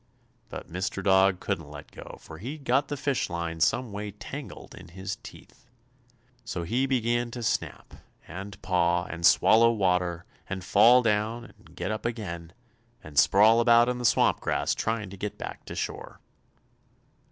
But Mr. Dog couldn't let go, for he'd got the fish line some way tangled in his teeth. So he began to snap and paw and swallow water, and fall down and get up again, and sprawl about in the swamp grass, trying to get back to shore.